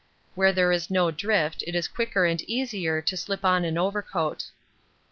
Where there is no drift it is quicker and easier to slip on an overcoat.